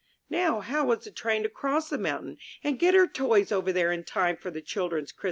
Now how was the train to cross the mountain and get her toys over there in time for the children's Christmas?